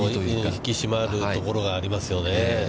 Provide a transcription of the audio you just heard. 引き締まるところがありますよね。